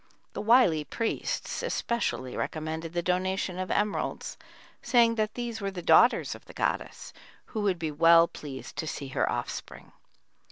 The wily priests especially recommended the donation of emeralds, saying that these were the daughters of the goddess, who would be well pleased to see her offspring.